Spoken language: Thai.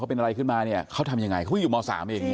เขาเป็นอะไรขึ้นมาเนี่ยเขาทำยังไงเขาเพิ่งอยู่เมาสามเองเนี่ย